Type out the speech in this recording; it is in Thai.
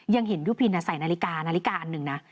ยังเห็นยุพินใส่นาฬิกานาฬิกาอันหนึ่งนะ